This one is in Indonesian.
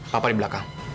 papa di belakang